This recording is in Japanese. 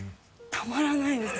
たまらないです。